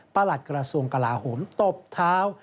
หลัดกระทรวงกลาโหมตบเท้า